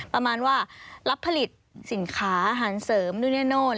ประมาณว่ารับผลิตสินค้าอาหารเสริมนู่นนี่นู่น